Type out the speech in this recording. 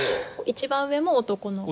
一番上も男の子。